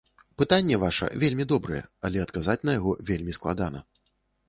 Пытанне ваша вельмі добрае, але адказаць на яго вельмі складана.